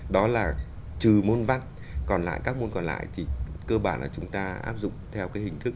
đó là trừ môn văn còn lại các môn còn lại thì cơ bản là chúng ta áp dụng theo cái hình thức